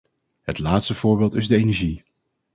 Het laatste voorbeeld is de energie.